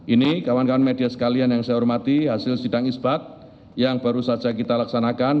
ini kawan kawan media sekalian yang saya hormati hasil sidang isbat yang baru saja kita laksanakan